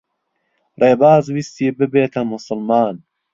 ڕێباز ویستی ببێتە موسڵمان.